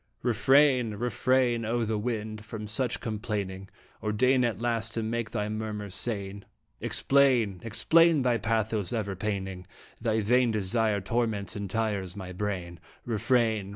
Refrain, refrain, O wind! from such complaining, Or deign at last to make thy murmurs sane. Explain, explain thy pathos ever paining Thy vain desire torments and tires my brain. Refrain